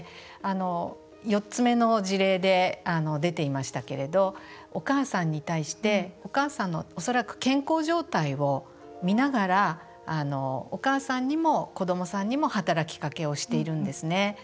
４つ目の事例で出ていましたけれどお母さんに対して、お母さんの恐らく、健康状態を見ながらお母さんにも子どもさんにも働きかけをしているんですね。